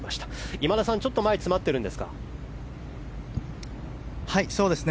今田さん、ちょっと前詰まってるんですか？